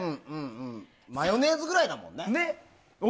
マヨネーズくらいだよね。